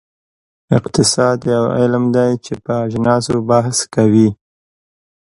اقتصاد یو علم دی چې په اجناسو بحث کوي.